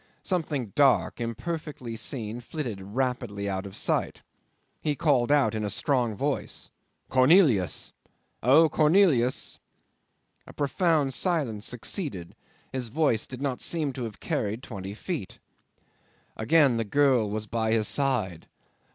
Something dark, imperfectly seen, flitted rapidly out of sight. He called out in a strong voice, "Cornelius! O Cornelius!" A profound silence succeeded: his voice did not seem to have carried twenty feet. Again the girl was by his side.